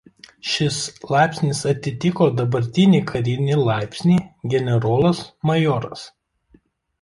Šis laipsnis atitiko dabartinį karinį laipsnį generolas majoras.